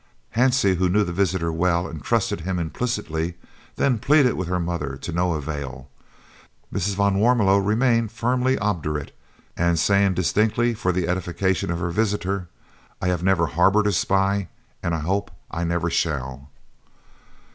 Hansie, who knew the visitor well and trusted him implicitly, then pleaded with her mother to no avail, Mrs. van Warmelo remaining firmly obdurate, and saying distinctly, for the edification of her visitor, "I have never harboured a spy, and I hope I never shall."